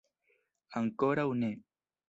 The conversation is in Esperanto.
Ankoraŭ ne.